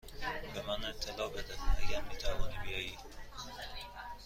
به من اطلاع بده اگر می توانی بیایی.